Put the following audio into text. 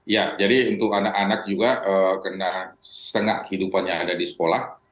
ya jadi untuk anak anak juga karena setengah kehidupannya ada di sekolah